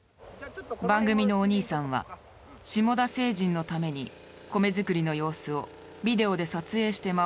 番組のお兄さんはシモダ星人のために米作りの様子をビデオで撮影して回ることに。